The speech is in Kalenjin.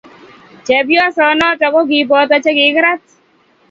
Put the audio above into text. Chepyosoo noto ko kiboto che kikirat